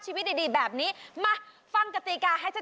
จะเอาไปขี่ก็ดูหล่อเท่